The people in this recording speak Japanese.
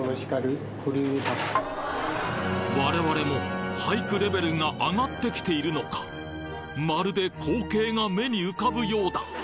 我々も俳句レベルが上がってきているのかまるで光景が目に浮かぶようだ！